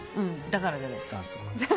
だからじゃないですか。